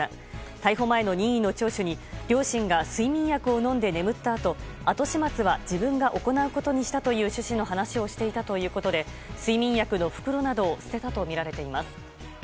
逮捕前の任意の聴取に両親が睡眠薬を飲んで眠ったあと後始末は自分が行うことにしたという趣旨の話をしていたということで睡眠薬の袋などを捨てたとみられています。